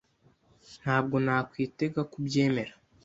Ntabwo nakwitega ko ubyemera.